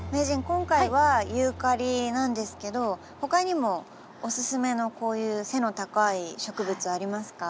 今回はユーカリなんですけど他にもおすすめのこういう背の高い植物ありますか？